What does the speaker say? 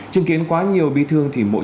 chứng kiến quá nhiều bi thương thì mỗi chú ý